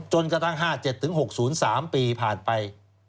กระทั่ง๕๗๖๐๓ปีผ่านไป